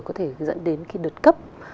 có thể dẫn đến cái đợt cấp